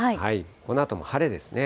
このあとも晴れですね。